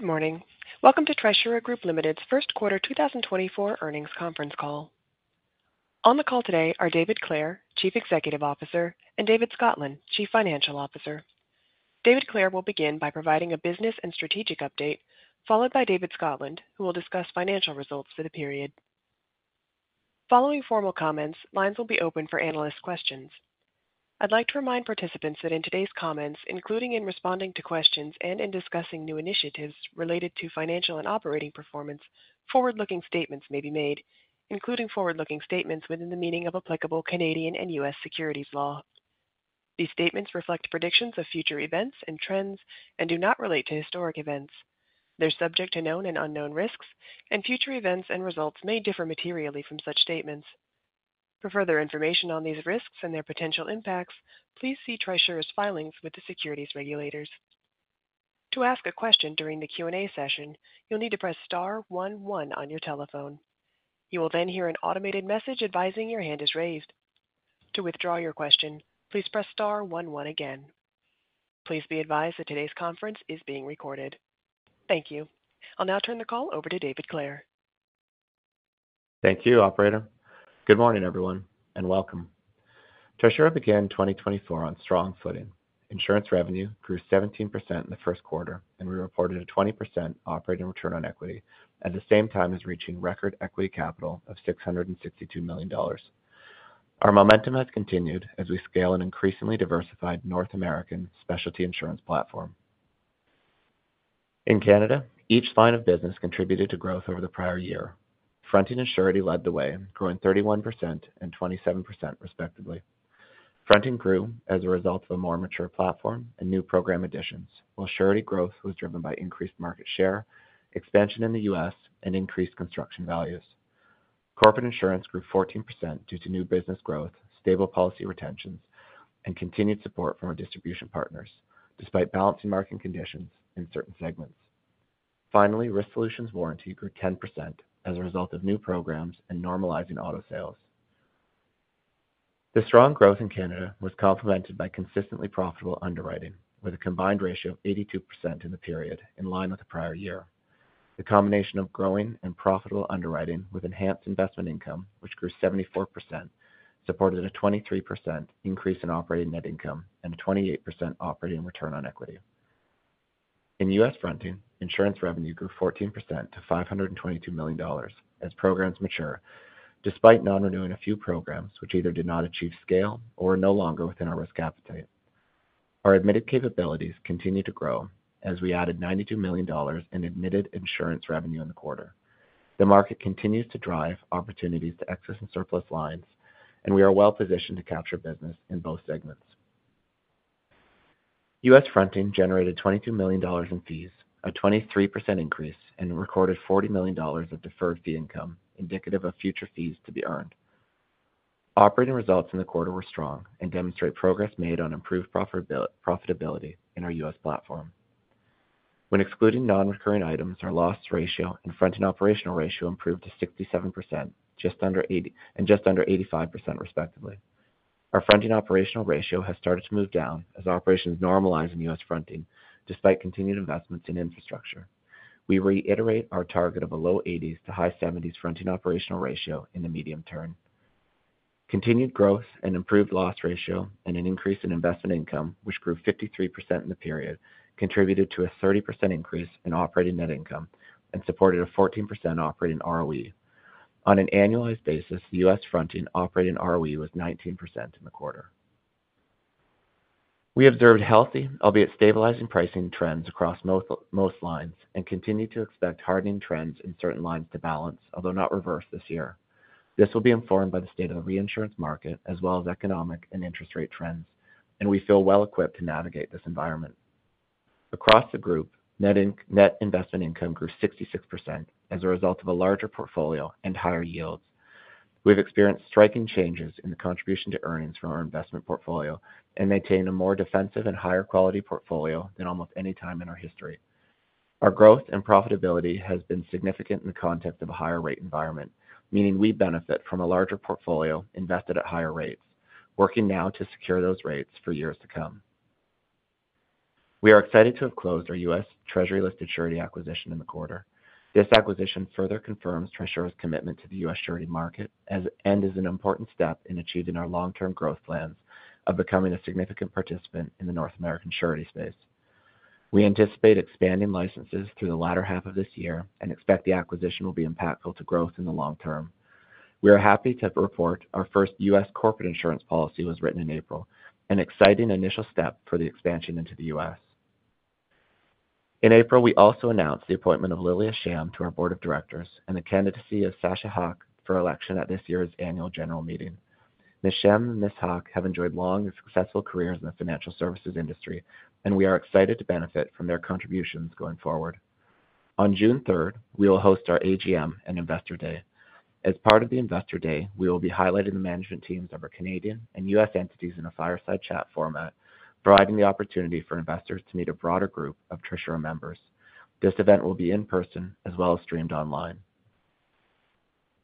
Good morning. Welcome to Trisura Group Limited's First Quarter 2024 Earnings Conference Call. On the call today are David Clare, Chief Executive Officer, and David Scotland, Chief Financial Officer. David Clare will begin by providing a business and strategic update, followed by David Scotland, who will discuss financial results for the period. Following formal comments, lines will be open for analyst questions. I'd like to remind participants that in today's comments, including in responding to questions and in discussing new initiatives related to financial and operating performance, forward-looking statements may be made, including forward-looking statements within the meaning of applicable Canadian and U.S. securities law. These statements reflect predictions of future events and trends and do not relate to historic events. They're subject to known and unknown risks, and future events and results may differ materially from such statements. For further information on these risks and their potential impacts, please see Trisura's filings with the securities regulators. To ask a question during the Q&A session, you'll need to press star one one on your telephone. You will then hear an automated message advising your hand is raised. To withdraw your question, please press star one one again. Please be advised that today's conference is being recorded. Thank you. I'll now turn the call over to David Clare. Thank you, operator. Good morning, everyone, and welcome. Trisura began 2024 on strong footing. Insurance revenue grew 17% in the first quarter, and we reported a 20% operating return on equity, at the same time as reaching record equity capital of 662 million dollars. Our momentum has continued as we scale an increasingly diversified North American specialty insurance platform. In Canada, each line of business contributed to growth over the prior year. Fronting and Surety led the way, growing 31% and 27%, respectively. Fronting grew as a result of a more mature platform and new program additions, while Surety growth was driven by increased market share, expansion in the U.S., and increased construction values. Corporate Insurance grew 14% due to new business growth, stable policy retentions, and continued support from our distribution partners, despite balancing market conditions in certain segments. Finally, Risk Solutions Warranty grew 10% as a result of new programs and normalizing auto sales. The strong growth in Canada was complemented by consistently profitable underwriting, with a combined ratio of 82% in the period in line with the prior year. The combination of growing and profitable underwriting with enhanced investment income, which grew 74%, supported a 23% increase in operating net income and a 28% operating return on equity. In U.S. Fronting, insurance revenue grew 14% to $522 million as programs mature, despite non-renewing a few programs which either did not achieve scale or are no longer within our risk appetite. Our admitted capabilities continued to grow as we added $92 million in admitted insurance revenue in the quarter. The market continues to drive opportunities to excess and surplus lines, and we are well positioned to capture business in both segments. US Fronting generated $22 million in fees, a 23% increase, and recorded $40 million of deferred fee income, indicative of future fees to be earned. Operating results in the quarter were strong and demonstrate progress made on improved profitability in our US platform. When excluding non-recurring items, our loss ratio and fronting operational ratio improved to 67% and just under 85%, respectively. Our fronting operational ratio has started to move down as operations normalize in US Fronting, despite continued investments in infrastructure. We reiterate our target of a low 80s% to high 70s% fronting operational ratio in the medium term. Continued growth and improved loss ratio and an increase in investment income, which grew 53% in the period, contributed to a 30% increase in operating net income and supported a 14% operating ROE. On an annualized basis, the U.S. Fronting operating ROE was 19% in the quarter. We observed healthy, albeit stabilizing pricing trends across most lines and continue to expect hardening trends in certain lines to balance, although not reverse this year. This will be informed by the state of the reinsurance market as well as economic and interest rate trends, and we feel well equipped to navigate this environment. Across the group, net investment income grew 66% as a result of a larger portfolio and higher yields. We've experienced striking changes in the contribution to earnings from our investment portfolio and maintain a more defensive and higher quality portfolio than almost any time in our history. Our growth and profitability has been significant in the context of a higher rate environment, meaning we benefit from a larger portfolio invested at higher rates, working now to secure those rates for years to come. We are excited to have closed our U.S. Treasury-listed surety acquisition in the quarter. This acquisition further confirms Trisura's commitment to the U.S. surety market as, and is an important step in achieving our long-term growth plans of becoming a significant participant in the North American surety space. We anticipate expanding licenses through the latter half of this year and expect the acquisition will be impactful to growth in the long term. We are happy to report our first U.S. corporate insurance policy was written in April, an exciting initial step for the expansion into the U.S. In April, we also announced the appointment of Lilia Sham to our board of directors and the candidacy of Sacha Haque for election at this year's Annual General Meeting. Ms. Sham and Ms. Haque have enjoyed long and successful careers in the financial services industry, and we are excited to benefit from their contributions going forward. On June third, we will host our AGM and Investor Day. As part of the Investor Day, we will be highlighting the management teams of our Canadian and U.S. entities in a fireside chat format, providing the opportunity for investors to meet a broader group of Trisura members. This event will be in person as well as streamed online.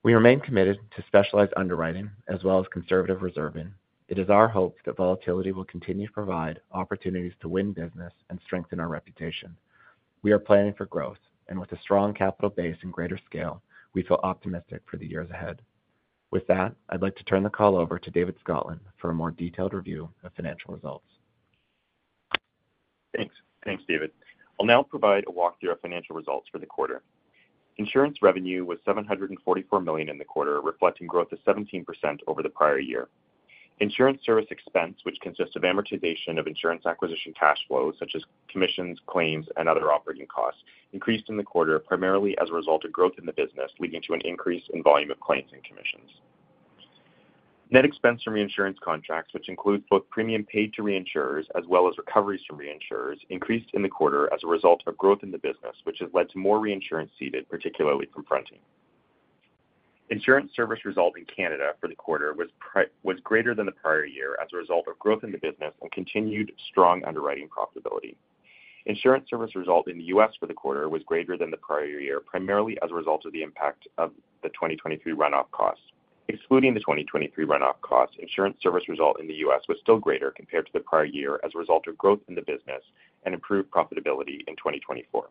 We remain committed to specialized underwriting as well as conservative reserving. It is our hope that volatility will continue to provide opportunities to win business and strengthen our reputation. We are planning for growth, and with a strong capital base and greater scale, we feel optimistic for the years ahead. With that, I'd like to turn the call over to David Scotland for a more detailed review of financial results. Thanks. Thanks, David. I'll now provide a walkthrough of financial results for the quarter. Insurance revenue was 744 million in the quarter, reflecting growth of 17% over the prior year. Insurance service expense, which consists of amortization of insurance acquisition cash flows, such as commissions, claims, and other operating costs, increased in the quarter, primarily as a result of growth in the business, leading to an increase in volume of claims and commissions. Net expense from reinsurance contracts, which includes both premium paid to reinsurers as well as recoveries from reinsurers, increased in the quarter as a result of growth in the business, which has led to more reinsurance ceded, particularly from fronting. Insurance service result in Canada for the quarter was greater than the prior year as a result of growth in the business and continued strong underwriting profitability. Insurance service result in the U.S. for the quarter was greater than the prior year, primarily as a result of the impact of the 2023 runoff costs. Excluding the 2023 runoff costs, insurance service result in the U.S. was still greater compared to the prior year as a result of growth in the business and improved profitability in 2024.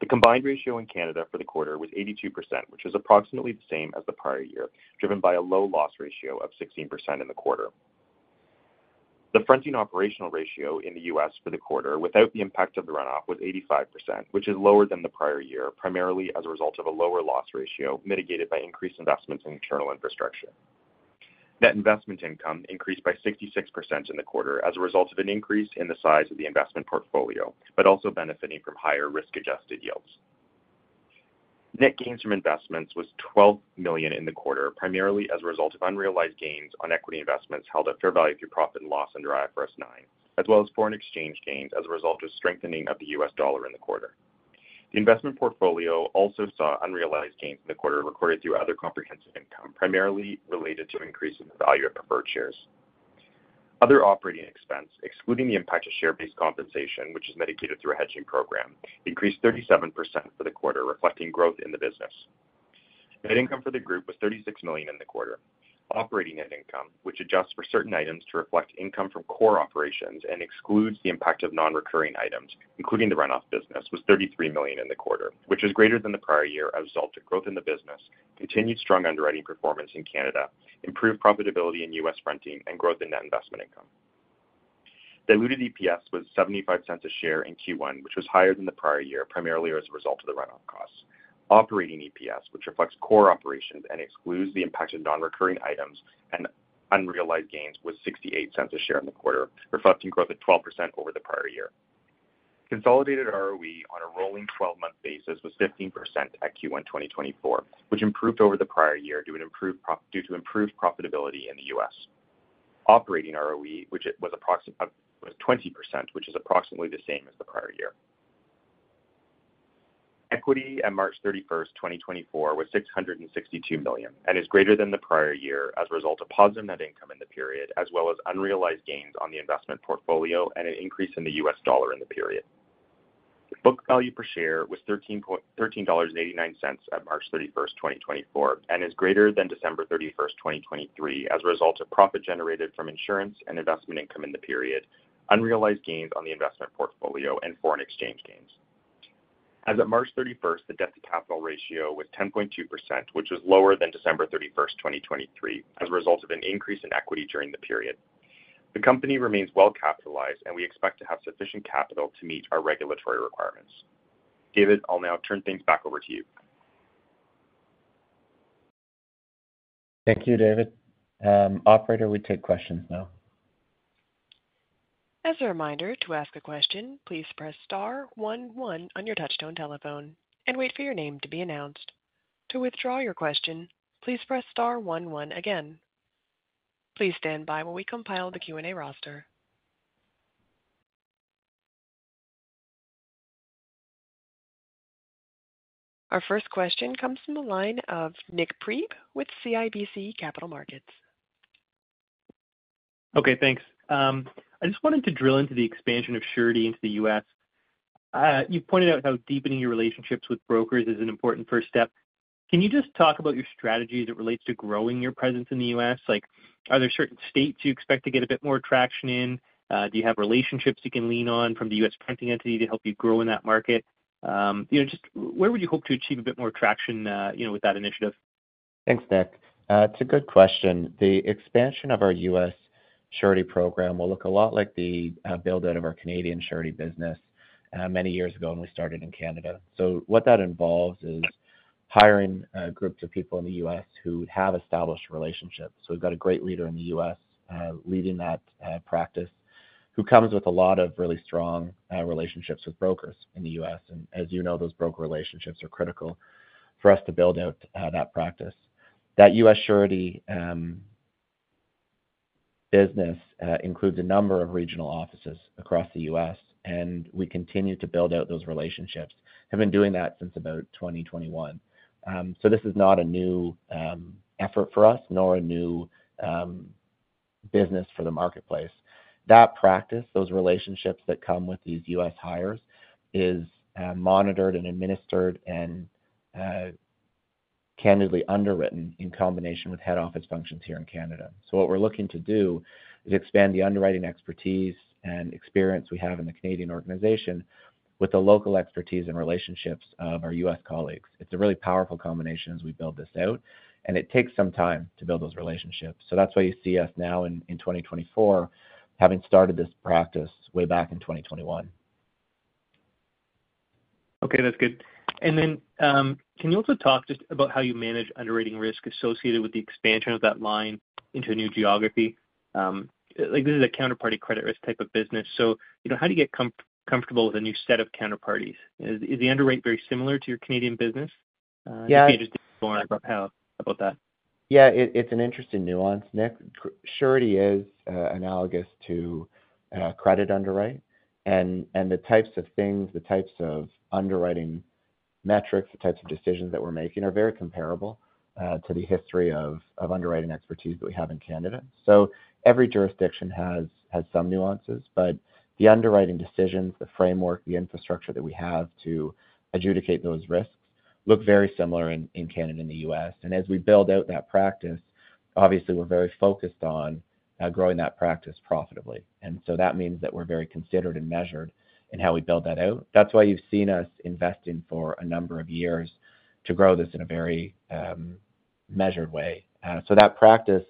The combined ratio in Canada for the quarter was 82%, which is approximately the same as the prior year, driven by a low loss ratio of 16% in the quarter. The fronting operational ratio in the U.S. for the quarter, without the impact of the runoff, was 85%, which is lower than the prior year, primarily as a result of a lower loss ratio, mitigated by increased investments in internal infrastructure. Net investment income increased by 66% in the quarter as a result of an increase in the size of the investment portfolio, but also benefiting from higher risk-adjusted yields. Net gains from investments was CAD 12 million in the quarter, primarily as a result of unrealized gains on equity investments held at fair value through profit and loss under IFRS 9, as well as foreign exchange gains as a result of strengthening of the US dollar in the quarter. The investment portfolio also saw unrealized gains in the quarter recorded through other comprehensive income, primarily related to increase in the value of preferred shares. Other operating expenses, excluding the impact of share-based compensation, which is mitigated through a hedging program, increased 37% for the quarter, reflecting growth in the business. Net income for the group was 36 million in the quarter. Operating net income, which adjusts for certain items to reflect income from core operations and excludes the impact of non-recurring items, including the runoff business, was 33 million in the quarter, which is greater than the prior year as a result of growth in the business, continued strong underwriting performance in Canada, improved profitability in U.S. fronting, and growth in net investment income. Diluted EPS was 0.75 a share in Q1, which was higher than the prior year, primarily as a result of the runoff costs. Operating EPS, which reflects core operations and excludes the impact of non-recurring items and unrealized gains, was 0.68 a share in the quarter, reflecting growth of 12% over the prior year. Consolidated ROE on a rolling twelve-month basis was 15% at Q1 2024, which improved over the prior year due to improved profitability in the US. Operating ROE was 20%, which is approximately the same as the prior year. Equity at March 31, 2024, was 662 million and is greater than the prior year as a result of positive net income in the period, as well as unrealized gains on the investment portfolio and an increase in the US dollar in the period. Book value per share was 13.89 dollars at March 31, 2024, and is greater than December 31, 2023, as a result of profit generated from insurance and investment income in the period, unrealized gains on the investment portfolio, and foreign exchange gains. As of March 31st, the debt-to-capital ratio was 10.2%, which is lower than December 31st, 2023, as a result of an increase in equity during the period. The company remains well capitalized, and we expect to have sufficient capital to meet our regulatory requirements. David, I'll now turn things back over to you. Thank you, David. Operator, we take questions now. As a reminder, to ask a question, please press star one one on your touchtone telephone and wait for your name to be announced. To withdraw your question, please press star one one again. Please stand by while we compile the Q&A roster. Our first question comes from the line of Nik Priebe with CIBC Capital Markets. Okay, thanks. I just wanted to drill into the expansion of Surety into the U.S. You've pointed out how deepening your relationships with brokers is an important first step. Can you just talk about your strategy as it relates to growing your presence in the U.S.? Like, are there certain states you expect to get a bit more traction in? Do you have relationships you can lean on from the U.S. fronting entity to help you grow in that market? You know, just where would you hope to achieve a bit more traction, you know, with that initiative? Thanks, Nick. It's a good question. The expansion of our U.S. Surety program will look a lot like the build-out of our Canadian Surety business many years ago when we started in Canada. So what that involves is hiring groups of people in the U.S. who have established relationships. So we've got a great leader in the U.S. leading that practice, who comes with a lot of really strong relationships with brokers in the U.S. And as you know, those broker relationships are critical for us to build out that practice. That U.S. Surety business includes a number of regional offices across the U.S., and we continue to build out those relationships, have been doing that since about 2021. So this is not a new effort for us, nor a new business for the marketplace. That practice, those relationships that come with these U.S. hires, is monitored and administered and candidly underwritten in combination with head office functions here in Canada. So what we're looking to do is expand the underwriting expertise and experience we have in the Canadian organization with the local expertise and relationships of our U.S. colleagues. It's a really powerful combination as we build this out, and it takes some time to build those relationships. So that's why you see us now in 2024, having started this practice way back in 2021. Okay, that's good. And then, can you also talk just about how you manage underwriting risk associated with the expansion of that line into a new geography? Like, this is a counterparty credit risk type of business, so, you know, how do you get comfortable with a new set of counterparties? Is the underwrite very similar to your Canadian business? Yeah. Can you just explore about how about that? Yeah, it's an interesting nuance, Nick. Surety is analogous to credit underwrite, and the types of things, the types of underwriting metrics, the types of decisions that we're making are very comparable to the history of underwriting expertise that we have in Canada. So every jurisdiction has some nuances, but the underwriting decisions, the framework, the infrastructure that we have to adjudicate those risks look very similar in Canada and the US. And as we build out that practice, obviously, we're very focused on growing that practice profitably. And so that means that we're very considered and measured in how we build that out. That's why you've seen us investing for a number of years to grow this in a very measured way. So that practice,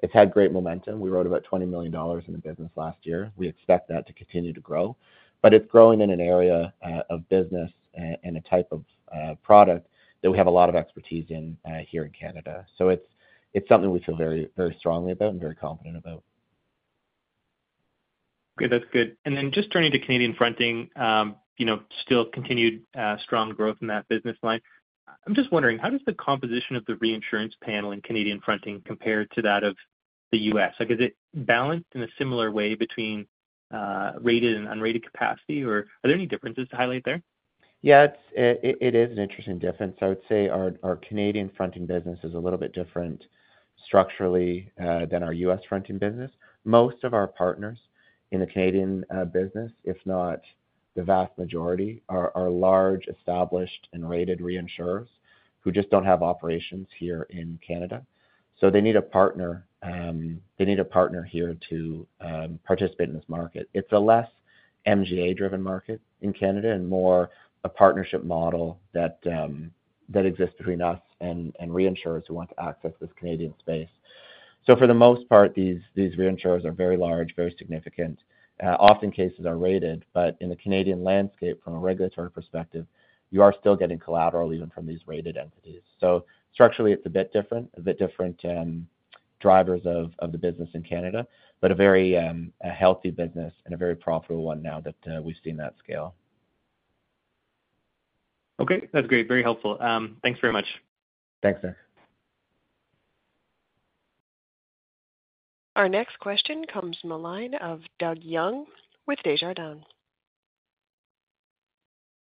it's had great momentum. We wrote about 20 million dollars in the business last year. We expect that to continue to grow, but it's growing in an area of business and a type of product that we have a lot of expertise in here in Canada. So it's something we feel very, very strongly about and very confident about. Okay, that's good. And then just turning to Canadian fronting, you know, still continued strong growth in that business line. I'm just wondering, how does the composition of the reinsurance panel in Canadian fronting compare to that of the U.S.? Like, is it balanced in a similar way between rated and unrated capacity, or are there any differences to highlight there? Yeah, it's an interesting difference. I would say our Canadian Fronting business is a little bit different structurally than our U.S. Fronting business. Most of our partners in the Canadian business, if not the vast majority, are large, established, and rated reinsurers who just don't have operations here in Canada. So they need a partner, they need a partner here to participate in this market. It's a less MGA-driven market in Canada and more a partnership model that exists between us and reinsurers who want to access this Canadian space. So for the most part, these reinsurers are very large, very significant. In many cases are rated, but in the Canadian landscape, from a regulatory perspective, you are still getting collateral even from these rated entities. So structurally, it's a bit different, drivers of the business in Canada, but a very healthy business and a very profitable one now that we've seen that scale. Okay, that's great. Very helpful. Thanks very much. Thanks, Nick. Our next question comes from the line of Doug Young with Desjardins.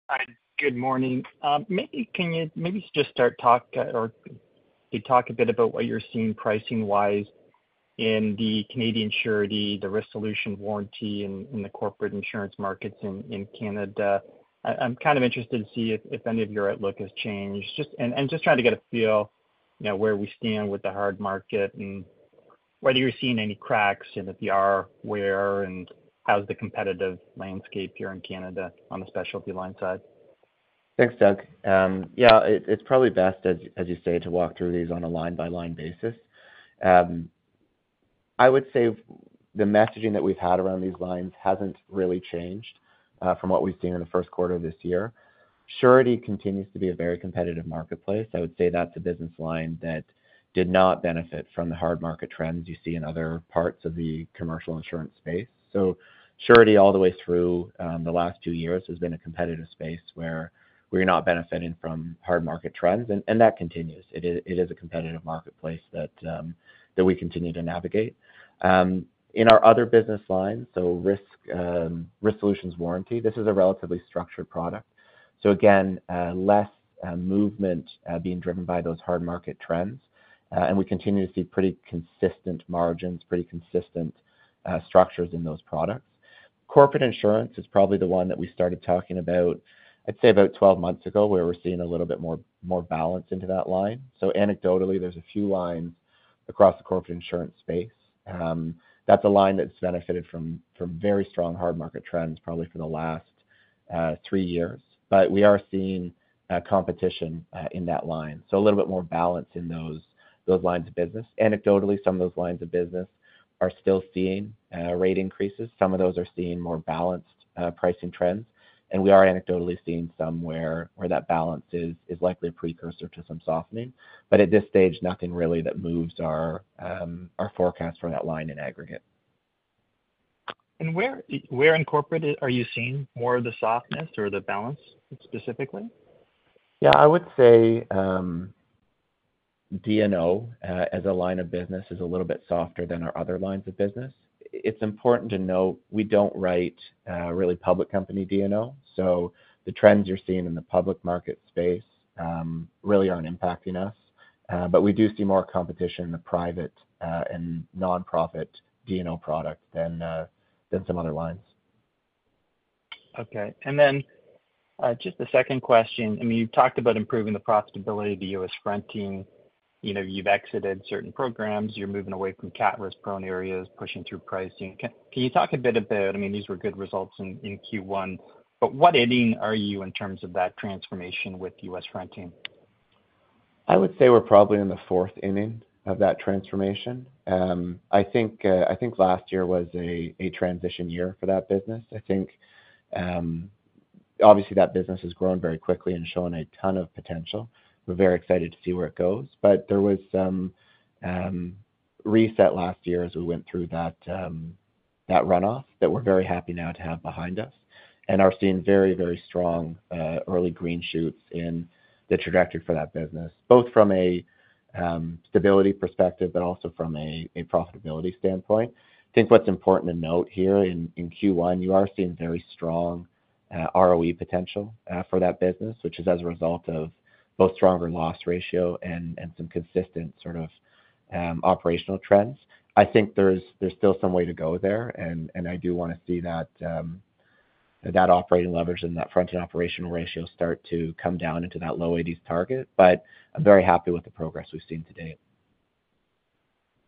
Hi, good morning. Maybe you can just talk a bit about what you're seeing pricing-wise in the Canadian Surety, the Risk Solutions Warranty in the Corporate Insurance markets in Canada? I'm kind of interested to see if any of your outlook has changed. Just trying to get a feel, you know, where we stand with the hard market and whether you're seeing any cracks, and if you are, where, and how's the competitive landscape here in Canada on the specialty line side? Thanks, Doug. Yeah, it's probably best, as you say, to walk through these on a line-by-line basis. I would say the messaging that we've had around these lines hasn't really changed from what we've seen in the first quarter of this year. Surety continues to be a very competitive marketplace. I would say that's a business line that did not benefit from the hard market trends you see in other parts of the commercial insurance space. So surety, all the way through the last two years, has been a competitive space where we're not benefiting from hard market trends, and that continues. It is a competitive marketplace that we continue to navigate. In our other business lines, so Risk Solutions Warranty, this is a relatively structured product. So again, less movement being driven by those hard market trends. And we continue to see pretty consistent margins, pretty consistent structures in those products. Corporate Insurance is probably the one that we started talking about, I'd say about 12 months ago, where we're seeing a little bit more, more balance into that line. So anecdotally, there's a few lines across the Corporate Insurance space. That's a line that's benefited from, from very strong hard market trends, probably for the last 3 years. But we are seeing competition in that line, so a little bit more balance in those, those lines of business. Anecdotally, some of those lines of business are still seeing rate increases. Some of those are seeing more balanced pricing trends, and we are anecdotally seeing some where that balance is likely a precursor to some softening. But at this stage, nothing really that moves our forecast for that line in aggregate. And where in corporate are you seeing more of the softness or the balance specifically? Yeah, I would say, D&O, as a line of business, is a little bit softer than our other lines of business. It's important to note we don't write, really public company D&O, so the trends you're seeing in the public market space, really aren't impacting us. But we do see more competition in the private, and nonprofit D&O product than, than some other lines.... Okay. And then, just the second question, I mean, you've talked about improving the profitability of the U.S. fronting. You know, you've exited certain programs, you're moving away from cat risk-prone areas, pushing through pricing. Can you talk a bit about, I mean, these were good results in Q1, but what inning are you in terms of that transformation with U.S. fronting? I would say we're probably in the fourth inning of that transformation. I think last year was a transition year for that business. I think obviously that business has grown very quickly and shown a ton of potential. We're very excited to see where it goes, but there was some reset last year as we went through that runoff that we're very happy now to have behind us and are seeing very, very strong early green shoots in the trajectory for that business, both from a stability perspective, but also from a profitability standpoint. I think what's important to note here in Q1, you are seeing very strong ROE potential for that business, which is as a result of both stronger loss ratio and some consistent sort of operational trends. I think there's still some way to go there, and I do wanna see that operating leverage and that fronting operational ratio start to come down into that low 80s target. But I'm very happy with the progress we've seen to date.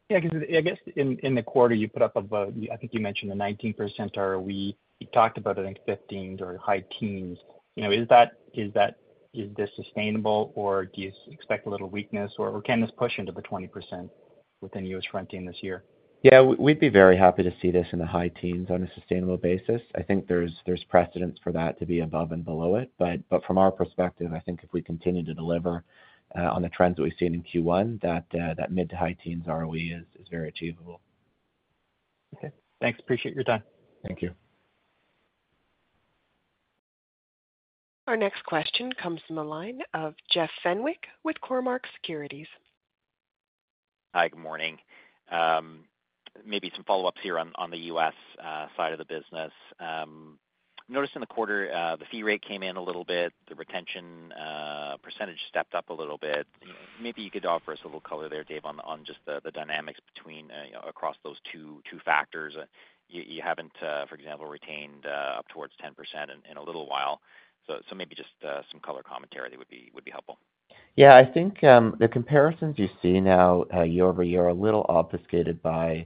Yeah, I guess in the quarter, you put up about... I think you mentioned a 19% ROE. You talked about it in 15s or high teens. You know, is that, is that- is this sustainable, or do you expect a little weakness, or can this push into the 20% within U.S. fronting this year? Yeah, we'd be very happy to see this in the high teens on a sustainable basis. I think there's, there's precedents for that to be above and below it. But, but from our perspective, I think if we continue to deliver on the trends that we've seen in Q1, that mid to high teens ROE is very achievable. Okay. Thanks. Appreciate your time. Thank you. Our next question comes from the line of Jeff Fenwick with Cormark Securities. Hi, good morning. Maybe some follow-ups here on the U.S. side of the business. Noticed in the quarter the fee rate came in a little bit, the retention percentage stepped up a little bit. Maybe you could offer us a little color there, Dave, on just the dynamics between across those two factors. You haven't, for example, retained up towards 10% in a little while. So maybe just some color commentary would be helpful. Yeah, I think, the comparisons you see now, year-over-year, are a little obfuscated by,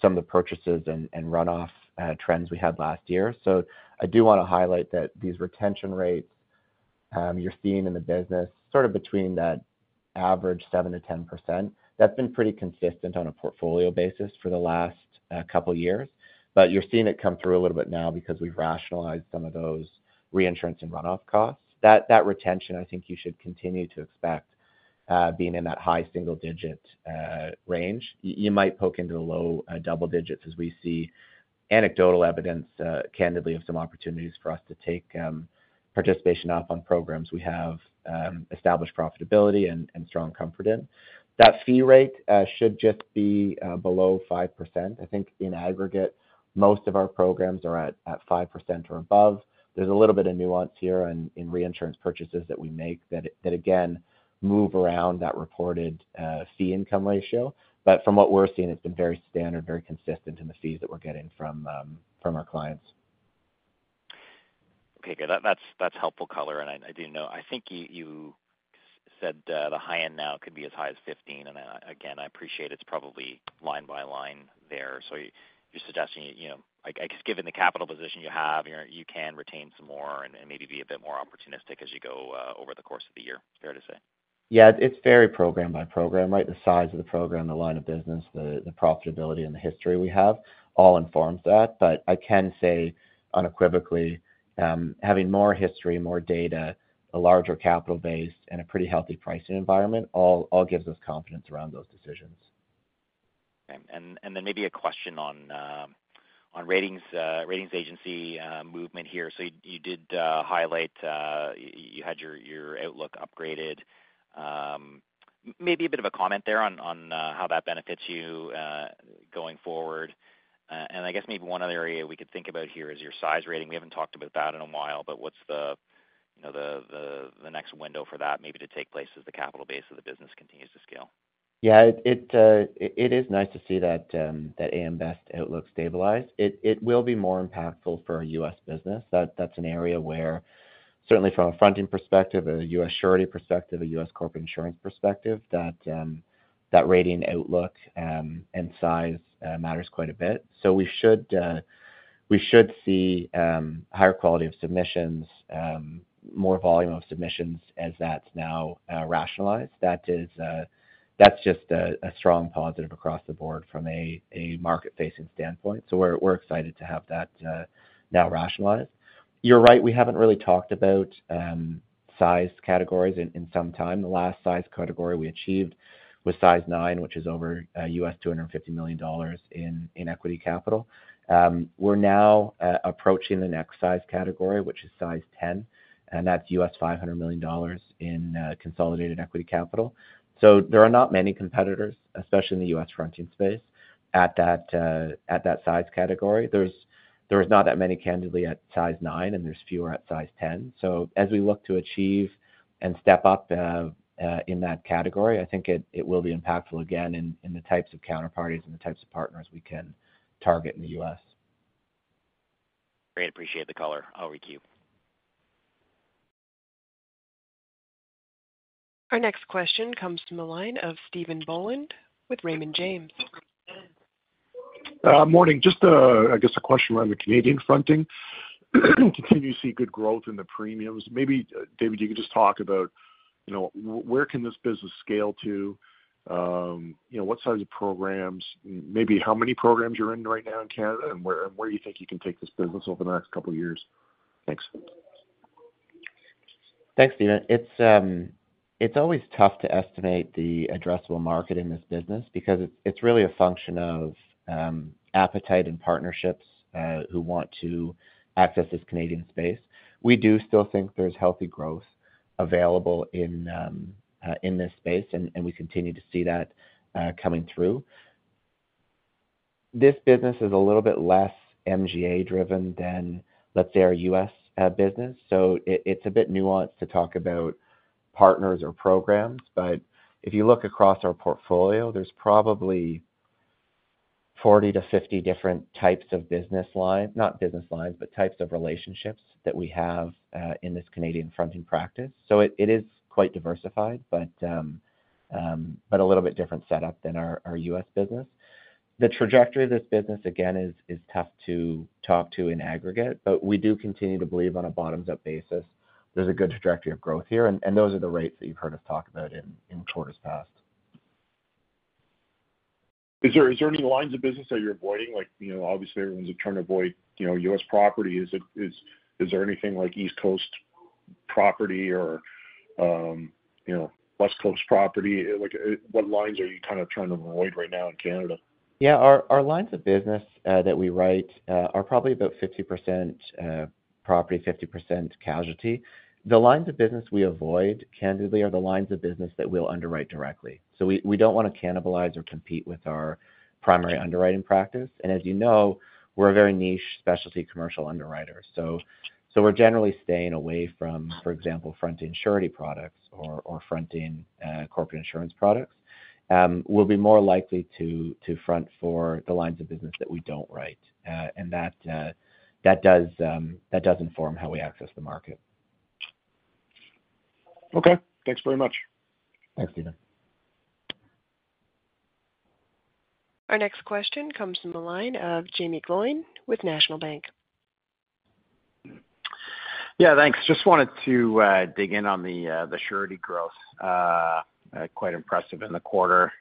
some of the purchases and, and runoff trends we had last year. So I do wanna highlight that these retention rates, you're seeing in the business, sort of between that average 7%-10%, that's been pretty consistent on a portfolio basis for the last, couple of years. But you're seeing it come through a little bit now because we've rationalized some of those reinsurance and runoff costs. That, that retention, I think you should continue to expect, being in that high single-digit range. You, you might poke into the low double digits as we see anecdotal evidence, candidly, of some opportunities for us to take, participation off on programs we have, established profitability and, and strong comfort in. That fee rate should just be below 5%. I think in aggregate, most of our programs are at 5% or above. There's a little bit of nuance here in reinsurance purchases that we make that again move around that reported fee income ratio. But from what we're seeing, it's been very standard, very consistent in the fees that we're getting from our clients. Okay, good. That's helpful color, and I do know. I think you said the high end now could be as high as 15, and again, I appreciate it's probably line by line there. So you're suggesting, you know, I guess, given the capital position you have, you know, you can retain some more and maybe be a bit more opportunistic as you go over the course of the year, fair to say? Yeah, it's very program by program, right? The size of the program, the line of business, the profitability and the history we have all informs that. But I can say unequivocally, having more history, more data, a larger capital base, and a pretty healthy pricing environment, all gives us confidence around those decisions. Okay. And then maybe a question on ratings agency movement here. So you did highlight you had your outlook upgraded. Maybe a bit of a comment there on how that benefits you going forward. And I guess maybe one other area we could think about here is your size rating. We haven't talked about that in a while, but what's the, you know, the next window for that maybe to take place as the capital base of the business continues to scale? Yeah, it is nice to see that AM Best outlook stabilize. It will be more impactful for our U.S. business. That's an area where certainly from a fronting perspective, a U.S. surety perspective, a U.S. corporate insurance perspective, that rating outlook and size matters quite a bit. So we should see higher quality of submissions, more volume of submissions as that's now rationalized. That's just a strong positive across the board from a market-facing standpoint. So we're excited to have that now rationalized. You're right, we haven't really talked about size categories in some time. The last size category we achieved was size nine, which is over $250 million in equity capital. We're now approaching the next size category, which is size 10, and that's $500 million in consolidated equity capital. So there are not many competitors, especially in the US fronting space, at that size category. There's, there's not that many, candidly, at size 9, and there's fewer at size 10. So as we look to achieve and step up in that category, I think it, it will be impactful again in the types of counterparties and the types of partners we can target in the US. Great, appreciate the color. I'll requeue. Our next question comes from the line of Stephen Boland with Raymond James. Morning. Just, I guess a question around the Canadian fronting. Continue to see good growth in the premiums. Maybe, David, you could just talk about, you know, where can this business scale to? You know, what size of programs, maybe how many programs you're in right now in Canada, and where do you think you can take this business over the next couple of years? Thanks. Thanks, Stephen. It's always tough to estimate the addressable market in this business because it's really a function of appetite and partnerships who want to access this Canadian space. We do still think there's healthy growth available in this space, and we continue to see that coming through. This business is a little bit less MGA driven than, let's say, our US business, so it's a bit nuanced to talk about partners or programs. But if you look across our portfolio, there's probably 40-50 different types of business lines, not business lines, but types of relationships that we have in this Canadian fronting practice. So it is quite diversified, but a little bit different setup than our US business. The trajectory of this business, again, is tough to talk to in aggregate, but we do continue to believe on a bottoms-up basis. There's a good trajectory of growth here, and those are the rates that you've heard us talk about in quarters past. Is there any lines of business that you're avoiding? Like, you know, obviously, everyone's trying to avoid, you know, U.S. property. Is it, is there anything like East Coast property or, you know, West Coast property? Like, what lines are you kind of trying to avoid right now in Canada? Yeah, our, our lines of business that we write are probably about 50% property, 50% casualty. The lines of business we avoid, candidly, are the lines of business that we'll underwrite directly. So we, we don't want to cannibalize or compete with our primary underwriting practice. And as you know, we're a very niche specialty commercial underwriter, so, so we're generally staying away from, for example, fronting surety products or, or fronting corporate insurance products. We'll be more likely to, to front for the lines of business that we don't write, and that, that does inform how we access the market. Okay, thanks very much. Thanks, Stephen. Our next question comes from the line of Jaeme Gloyn with National Bank. Yeah, thanks. Just wanted to dig in on the surety growth, quite impressive in the quarter.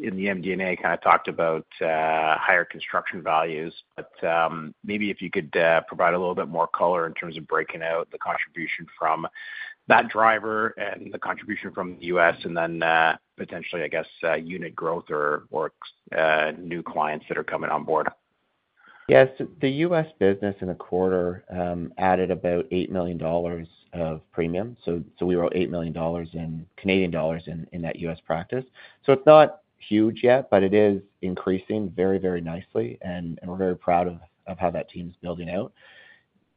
In the MD&A, kind of talked about higher construction values, but maybe if you could provide a little bit more color in terms of breaking out the contribution from that driver and the contribution from the U.S., and then potentially, I guess, unit growth or new clients that are coming on board. Yes, the U.S. business in the quarter added about 8 million dollars of premium. So we wrote 8 million dollars in Canadian dollars in that U.S. practice. So it's not huge yet, but it is increasing very, very nicely, and we're very proud of how that team's building out.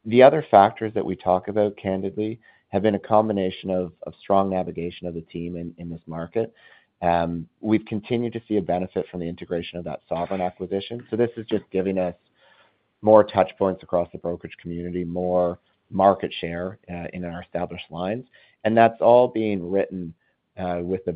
The other factors that we talk about, candidly, have been a combination of strong navigation of the team in this market. We've continued to see a benefit from the integration of that Sovereign acquisition. So this is just giving us more touch points across the brokerage community, more market share in our established lines. And that's all being written with the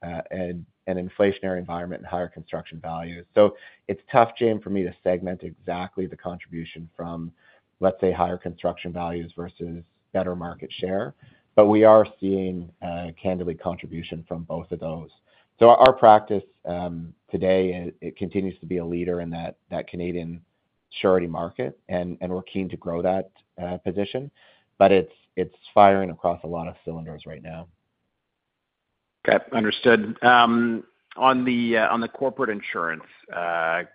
backdrop of an inflationary environment and higher construction value. So it's tough, Jaeme, for me to segment exactly the contribution from, let's say, higher construction values versus better market share, but we are seeing candidly contribution from both of those. So our practice today continues to be a leader in that Canadian surety market, and we're keen to grow that position, but it's firing across a lot of cylinders right now. Okay, understood. On the Corporate Insurance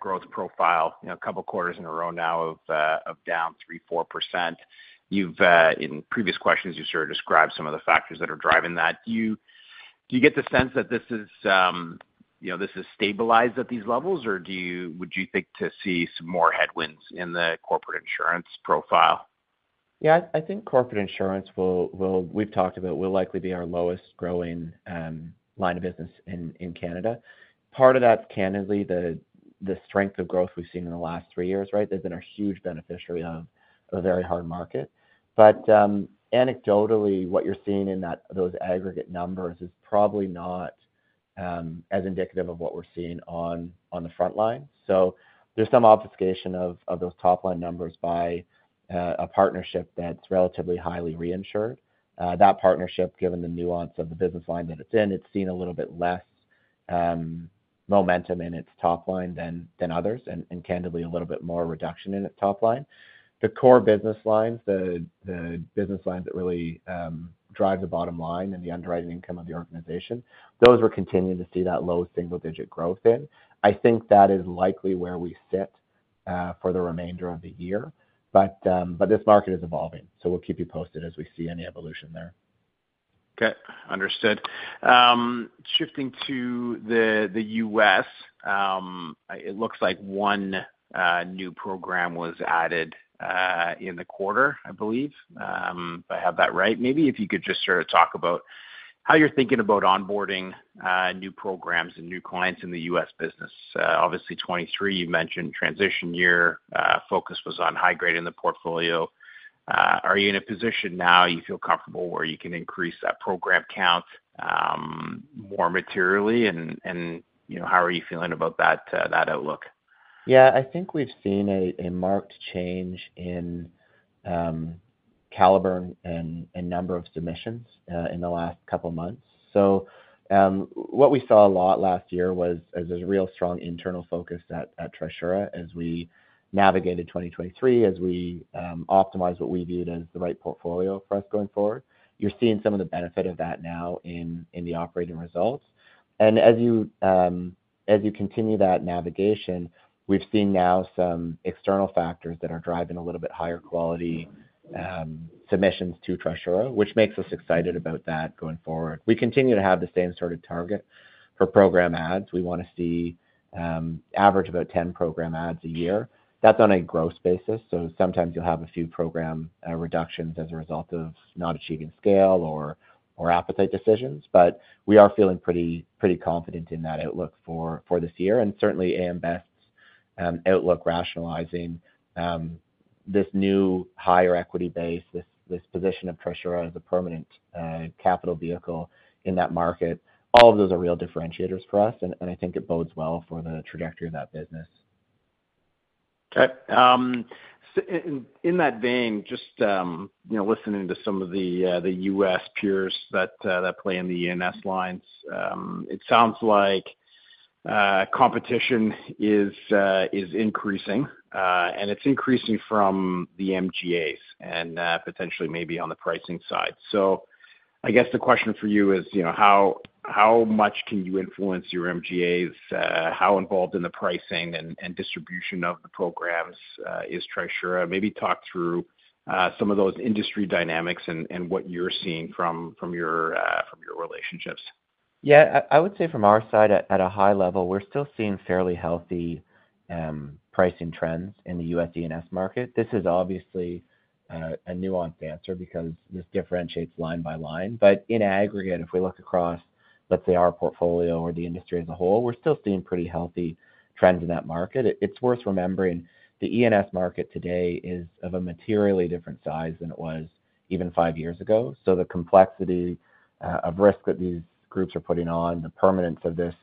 growth profile, you know, a couple of quarters in a row now of down 3%-4%. You've in previous questions, you sort of described some of the factors that are driving that. Do you get the sense that this is, you know, this is stabilized at these levels, or do you—would you think to see some more headwinds in the Corporate Insurance profile? Yeah, I think corporate insurance will... We've talked about will likely be our lowest growing line of business in Canada. Part of that's candidly the strength of growth we've seen in the last three years, right? They've been a huge beneficiary of a very hard market. But anecdotally, what you're seeing in that those aggregate numbers is probably not as indicative of what we're seeing on the front line. So there's some obfuscation of those top-line numbers by a partnership that's relatively highly reinsured. That partnership, given the nuance of the business line that it's in, it's seen a little bit less momentum in its top line than others, and candidly, a little bit more reduction in its top line. The core business lines, the business lines that really drive the bottom line and the underwriting income of the organization, those we're continuing to see that low double single digit growth in. I think that is likely where we sit for the remainder of the year. But this market is evolving, so we'll keep you posted as we see any evolution there. Okay, understood. Shifting to the U.S., it looks like one new program was added in the quarter, I believe. If I have that right, maybe if you could just sort of talk about how you're thinking about onboarding new programs and new clients in the US business. Obviously, 2023, you mentioned transition year, focus was on high grade in the portfolio. Are you in a position now you feel comfortable where you can increase that program count more materially? And you know, how are you feeling about that outlook? Yeah, I think we've seen a marked change in caliber and number of submissions in the last couple of months. So, what we saw a lot last year was, there's a real strong internal focus at Trisura as we navigated 2023, as we optimized what we viewed as the right portfolio for us going forward. You're seeing some of the benefit of that now in the operating results. And as you continue that navigation, we've seen now some external factors that are driving a little bit higher quality submissions to Trisura, which makes us excited about that going forward. We continue to have the same sort of target for program adds. We want to see average about 10 program adds a year. That's on a gross basis, so sometimes you'll have a few program reductions as a result of not achieving scale or appetite decisions. But we are feeling pretty, pretty confident in that outlook for this year, and certainly AM Best's outlook rationalizing this new higher equity base, this position of Trisura as a permanent capital vehicle in that market. All of those are real differentiators for us, and I think it bodes well for the trajectory of that business. Okay, so in that vein, just, you know, listening to some of the, the U.S. peers that, that play in the E&S lines, it sounds like, competition is increasing, and it's increasing from the MGAs, and, potentially maybe on the pricing side. So I guess the question for you is, you know, how, how much can you influence your MGAs? How involved in the pricing and, and distribution of the programs is Trisura? Maybe talk through, some of those industry dynamics and, and what you're seeing from, from your, from your relationships. Yeah, I would say from our side, at a high level, we're still seeing fairly healthy pricing trends in the US E&S market. This is obviously a nuanced answer because this differentiates line by line. But in aggregate, if we look across, let's say, our portfolio or the industry as a whole, we're still seeing pretty healthy trends in that market. It's worth remembering, the E&S market today is of a materially different size than it was even five years ago. So the complexity of risk that these groups are putting on, the permanence of this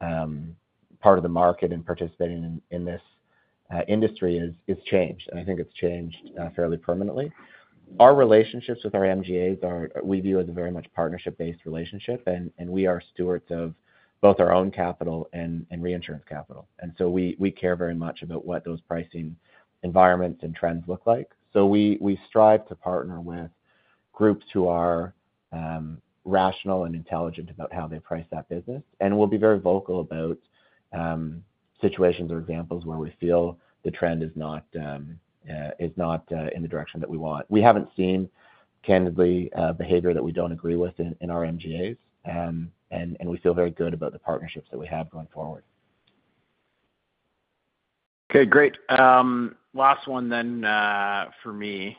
part of the market and participating in this industry is changed, and I think it's changed fairly permanently. Our relationships with our MGAs we view as a very much partnership-based relationship, and we are stewards of both our own capital and reinsurance capital. And so we care very much about what those pricing environments and trends look like. So we strive to partner with groups who are rational and intelligent about how they price that business. And we'll be very vocal about situations or examples where we feel the trend is not in the direction that we want. We haven't seen, candidly, behavior that we don't agree with in our MGAs, and we feel very good about the partnerships that we have going forward. Okay, great. Last one then, for me.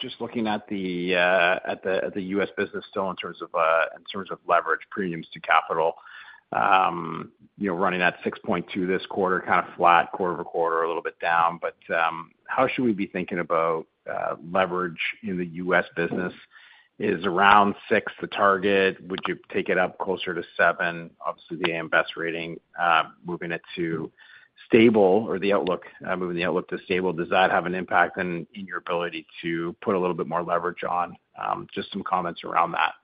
Just looking at the U.S. business still in terms of leverage premiums to capital, you know, running at 6.2 this quarter, kind of flat quarter-over-quarter, a little bit down. But, how should we be thinking about leverage in the U.S. business? Is around six the target? Would you take it up closer to seven? Obviously, the AM Best rating, moving it to stable or the outlook, moving the outlook to stable. Does that have an impact then in your ability to put a little bit more leverage on? Just some comments around that.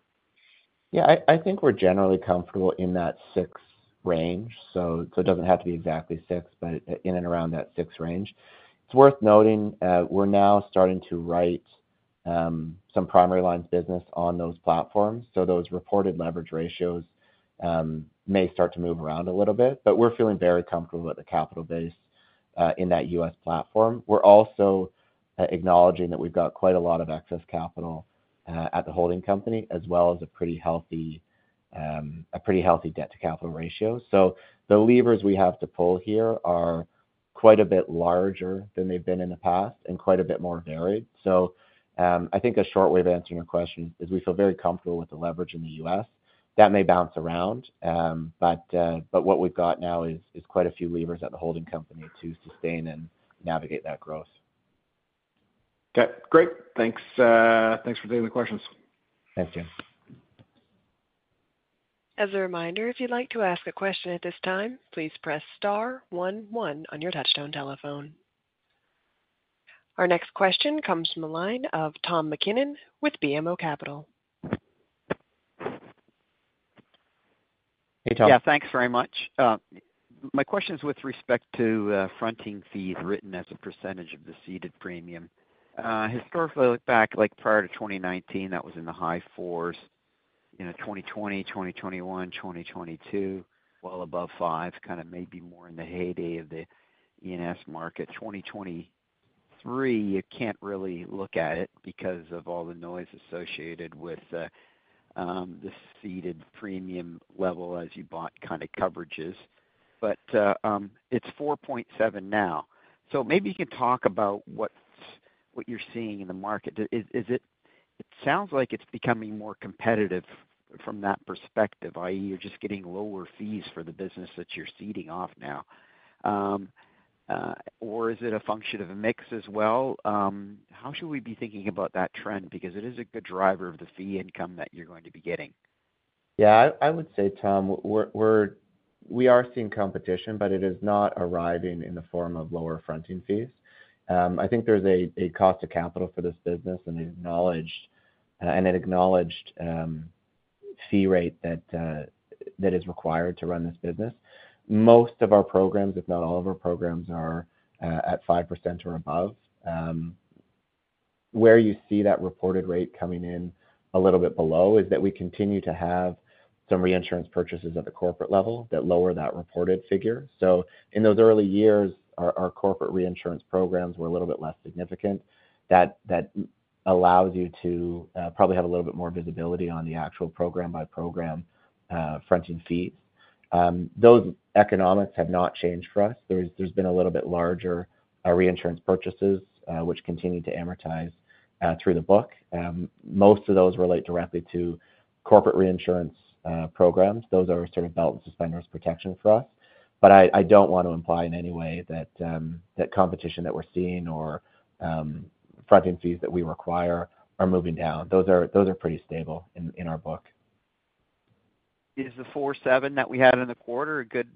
Yeah, I think we're generally comfortable in that six range, so it doesn't have to be exactly six, but in and around that six range. It's worth noting, we're now starting to write some primary lines business on those platforms, so those reported leverage ratios may start to move around a little bit, but we're feeling very comfortable with the capital base in that U.S. platform. We're also acknowledging that we've got quite a lot of excess capital at the holding company, as well as a pretty healthy debt to capital ratio. So the levers we have to pull here are quite a bit larger than they've been in the past and quite a bit more varied. I think a short way of answering your question is we feel very comfortable with the leverage in the US. That may bounce around, but what we've got now is quite a few levers at the holding company to sustain and navigate that growth. Okay, great. Thanks, thanks for taking the questions. Thanks, Jim. As a reminder, if you'd like to ask a question at this time, please press star one one on your touchtone telephone. Our next question comes from the line of Tom MacKinnon with BMO Capital. Hey, Tom. Yeah, thanks very much. My question is with respect to fronting fees written as a percentage of the ceded premium. Historically, look back, like, prior to 2019, that was in the high 4s. You know, 2020, 2021, 2022, well above five, kind of maybe more in the heyday of the E&S market. 2023, you can't really look at it because of all the noise associated with the ceded premium level as you bought kind of coverages.... but, it's 4.7 now. So maybe you could talk about what's, what you're seeing in the market. Is, is it-- It sounds like it's becoming more competitive from that perspective, i.e., you're just getting lower fees for the business that you're ceding off now. Or is it a function of a mix as well? How should we be thinking about that trend? Because it is a good driver of the fee income that you're going to be getting. Yeah, I would say, Tom, we are seeing competition, but it is not arriving in the form of lower fronting fees. I think there's a cost to capital for this business, and an acknowledged fee rate that is required to run this business. Most of our programs, if not all of our programs, are at 5% or above. Where you see that reported rate coming in a little bit below is that we continue to have some reinsurance purchases at the corporate level that lower that reported figure. So in those early years, our corporate reinsurance programs were a little bit less significant. That allows you to probably have a little bit more visibility on the actual program-by-program fronting fees. Those economics have not changed for us. There's been a little bit larger reinsurance purchases, which continue to amortize through the book. Most of those relate directly to corporate reinsurance programs. Those are sort of belt-and-suspenders protection for us. But I don't want to imply in any way that competition that we're seeing or fronting fees that we require are moving down. Those are pretty stable in our book. Is the 4.7 that we had in the quarter a good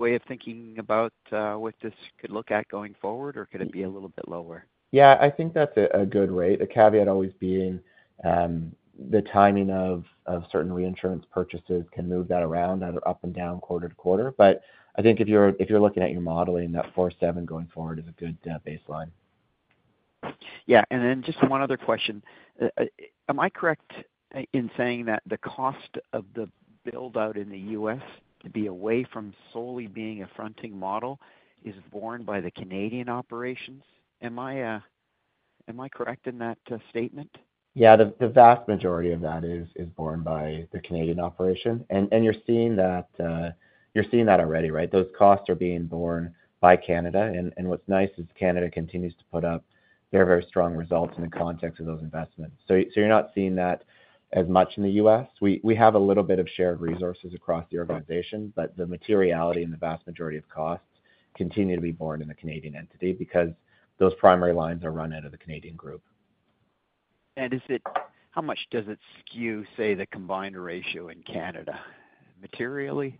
way of thinking about what this could look at going forward, or could it be a little bit lower? Yeah, I think that's a good rate. The caveat always being, the timing of certain reinsurance purchases can move that around, either up and down quarter to quarter. But I think if you're looking at your modeling, that 47 going forward is a good baseline. Yeah. And then just one other question. Am I correct in saying that the cost of the build-out in the U.S. to be away from solely being a fronting model is borne by the Canadian operations? Am I correct in that statement? Yeah, the vast majority of that is borne by the Canadian operation. And you're seeing that already, right? Those costs are being borne by Canada, and what's nice is Canada continues to put up very, very strong results in the context of those investments. So you're not seeing that as much in the U.S. We have a little bit of shared resources across the organization, but the materiality and the vast majority of costs continue to be borne in the Canadian entity because those primary lines are run out of the Canadian group. How much does it skew, say, the combined ratio in Canada, materially?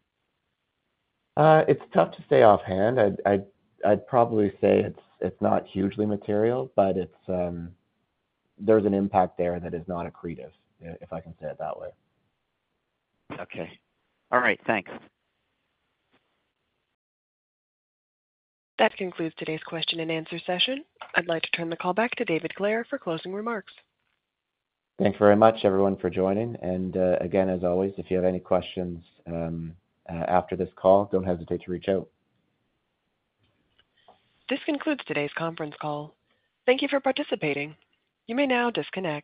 It's tough to say offhand. I'd probably say it's not hugely material, but there's an impact there that is not accretive, if I can say it that way. Okay. All right, thanks. That concludes today's question and answer session. I'd like to turn the call back to David Clare for closing remarks. Thank you very much, everyone, for joining. And, again, as always, if you have any questions, after this call, don't hesitate to reach out. This concludes today's conference call. Thank you for participating. You may now disconnect.